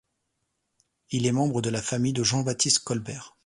Il est membre de la famille de Jean-Baptiste Colbert.